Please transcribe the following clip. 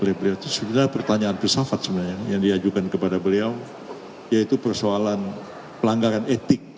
oleh beliau pertanyaan filsafat sebenarnya yang diajukan kepada beliau yaitu persoalan pelanggaran etik